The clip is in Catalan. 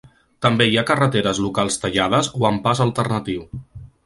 També hi ha carreteres locals tallades o amb pas alternatiu.